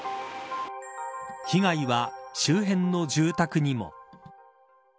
被害は周辺の住宅にも。